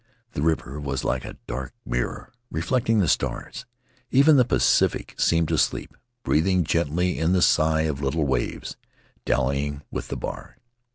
The river was like a dark mirror reflecting the stars; even In the Valley of Vaitia the Pacific seemed to sleep, breathing gently in the sigh of little waves, dallying with the bar.